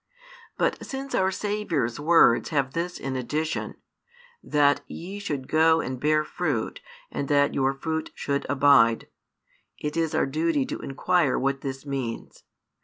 But since our Saviour's words have this addition, that ye should go and bear fruit and that your fruit should abide, it is our duty to inquire what this means.